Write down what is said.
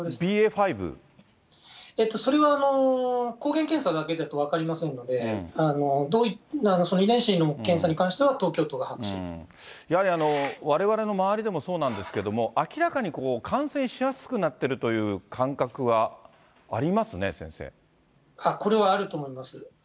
ＢＡ．５？それは抗原検査だけだと分かりませんので、その遺伝子の検査に関しては、やはりわれわれの周りでもそうなんですけども、明らかに感染しやすくなっているという感覚はありますね、これはあると思います。